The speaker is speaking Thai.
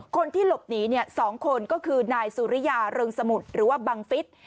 คนที่หลบหนี๒คนก็คือนายสุริยาเริงสมุทรหรือว่าบังฟิศ